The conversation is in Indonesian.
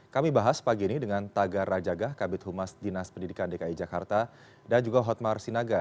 kami bahas pagi ini dengan tagar rajagah kabit humas dinas pendidikan dki jakarta dan juga hotmar sinaga